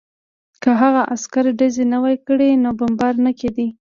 که هغه عسکر ډزې نه وای کړې نو بمبار نه کېده